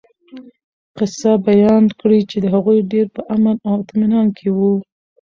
قصّه بيان کړي چې هغوي ډير په امن او اطمنان کي وو